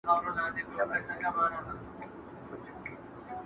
چي محفل د شرابونو به تيار وو.!